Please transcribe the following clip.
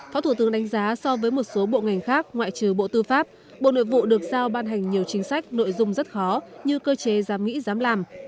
phó thủ tướng đánh giá so với một số bộ ngành khác ngoại trừ bộ tư pháp bộ nội vụ được giao ban hành nhiều chính sách nội dung rất khó như cơ chế giám nghĩ dám làm